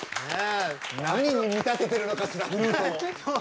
何に見立ててるのかしらフルートを！